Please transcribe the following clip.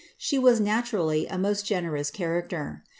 She was naturally a moct generous character.